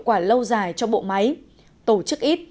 quả lâu dài cho bộ máy tổ chức ít